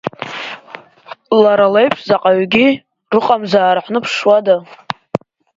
Лара леиԥш заҟаҩгьы рыҟамзаара ҳныԥшуада.